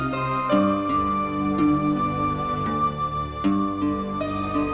sekali lagi ya